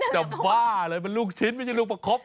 บ้าเลยเป็นลูกชิ้นไม่ใช่ลูกประคบ